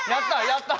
やった！